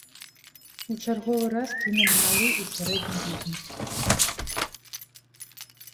У чарговы раз кінулі малы і сярэдні бізнес.